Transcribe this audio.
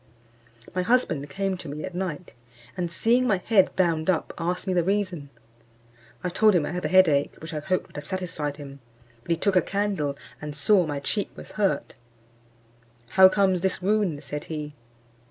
My husband came to me at night, and seeing my head bound up, asked me the reason. I told him I had the head ache, which I hoped would have satisfied him, but he took a candle, and saw my cheek was hurt: "How comes this wound?" said he.